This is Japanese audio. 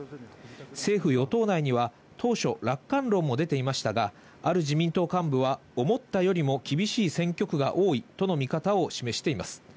政府・与党内には当初、楽観論も出ていましたが、ある自民党幹部は思ったよりも厳しい選挙区が多いとの見方を示しています。